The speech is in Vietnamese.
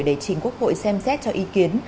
để chính quốc hội xem xét cho ý kiến